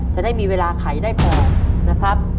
จะได้มีเวลาไขได้พอนะครับ